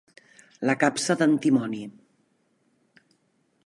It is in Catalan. La capsa d'antimoni.